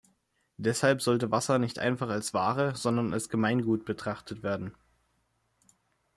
Deshalb sollte Wasser nicht einfach als Ware, sondern als Gemeingut betrachtet werden.